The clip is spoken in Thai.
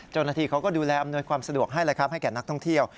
เจ้าหน้าที่เขาก็ดูแลอำนวยความสะดวกให้แก่นักท่องเที่ยว